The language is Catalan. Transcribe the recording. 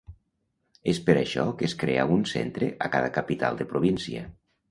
És per això que es creà un centre a cada capital de província.